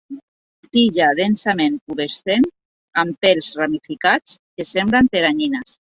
Tija densament pubescent amb pèls ramificats que semblen teranyines.